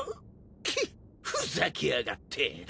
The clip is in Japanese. けっふざけやがって。